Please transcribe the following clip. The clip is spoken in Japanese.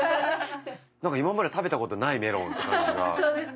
何か今まで食べたことないメロンって感じが。